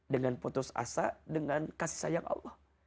dengan putus asa dengan kasih sayang allah